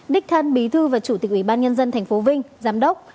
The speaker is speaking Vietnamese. đích thân bí thư và chủ tịch ủy ban nhân dân tp vinh giám đốc